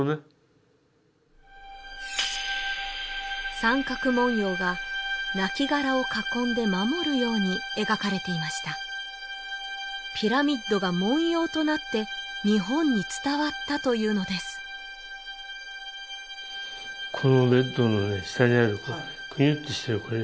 三角文様が亡きがらを囲んで守るように描かれていましたピラミッドが文様となって日本に伝わったというのです蕨手文とこれね